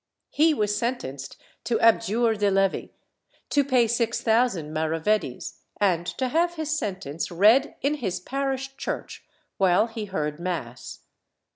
He was sentenced to abjure de levi, to pay six thousand maravedis, and to have his sentence read in his parish church while he heard mass.